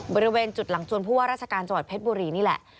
บริเวณจุดหลังจวนผู้ว่าราชการจังหวัดเพชรบุรีนี่แหละ